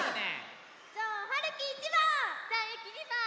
じゃはるき１ばん！じゃゆき２ばん！